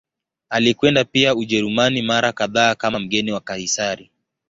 Alikwenda pia Ujerumani mara kadhaa kama mgeni wa Kaisari.